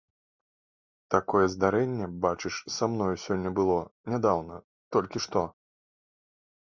Такое здарэнне, бачыш, са мною сёння было, нядаўна, толькі што.